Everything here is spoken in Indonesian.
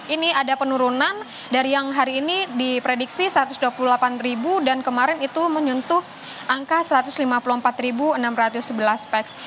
ini ada penurunan dari yang hari ini diprediksi satu ratus dua puluh delapan dan kemarin itu menyentuh angka satu ratus lima puluh empat enam ratus sebelas peks